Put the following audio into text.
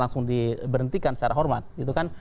langsung diberhentikan secara hormat